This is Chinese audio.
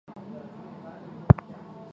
国君为姜姓。